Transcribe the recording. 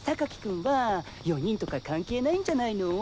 君は４人とか関係ないんじゃないの？